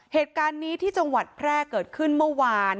เหตุการณ์นี้ที่จังหวัดแพร่เกิดขึ้นเมื่อวาน